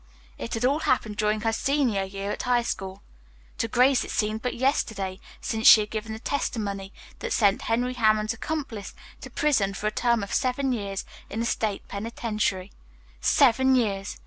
It had all happened during her senior year at high school. To Grace it seemed but yesterday since she had given the testimony that sent Henry Hammond's accomplice to prison for a term of seven years in the state penitentiary. Seven years!